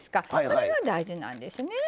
それが大事なんですね。